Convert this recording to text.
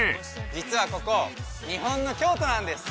実はここ日本の京都なんです